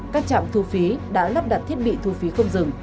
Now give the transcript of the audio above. các trạm thu phí đã lắp đặt thiết bị thu phí không dừng